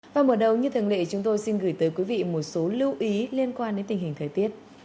và mở đầu như thường lệ chúng tôi xin gửi tới quý vị một số lưu ý liên quan đến tình hình thời tiết